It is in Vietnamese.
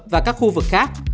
và các khu vực khác